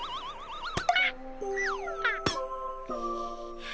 あっ。